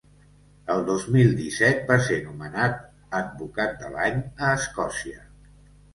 El dos mil disset va ser nomenat ‘advocat de l’any’ a Escòcia.